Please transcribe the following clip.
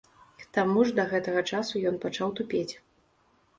К таму ж да гэтага часу ён пачаў тупець.